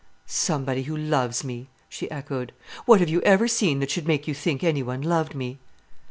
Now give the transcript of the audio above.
"Somebody who loves me!" she echoed. "What have you ever seen that should make you think any one loved me?"